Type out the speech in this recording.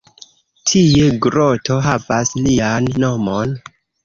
Tie groto havas lian nomon.